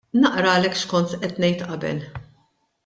Naqralek x'kont qed ngħid qabel.